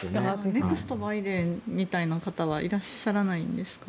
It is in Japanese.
ネクストバイデンみたいな方はいらっしゃらないんですか？